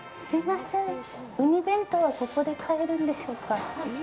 ウニ弁当はここで買えるんでしょうか。